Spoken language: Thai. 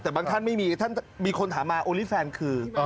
แต่บางท่านไม่มีท่านมีคนถามมาโอลี่แฟนคือ